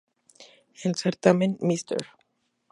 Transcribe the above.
El Certamen Mr.